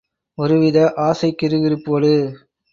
ஒருவித ஆசைக் கிறுகிறுப்போடு.